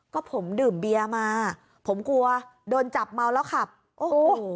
ก็ผมดื่มเบียร์มาผมกลัวโดนจับเมาแล้วขับโอ้โห